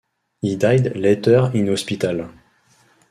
He died later in hospital.